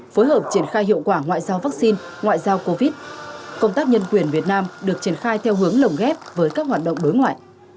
phối hợp triển khai hiệu quả ngoại giao vaccine ngoại giao covid công tác nhân quyền việt nam được triển khai theo hướng lồng ghép với các hoạt động đối ngoại